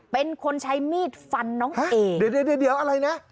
เป็นคนใช้มีดฟันน้องเอเดี๋ยวเดี๋ยวเดี๋ยวอะไรนะ